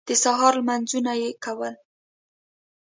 د سهار لمونځونه یې کول.